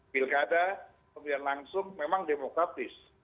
pilkada pemilihan langsung memang demokratis